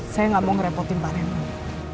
saya gak mau ngerepotin pak raymond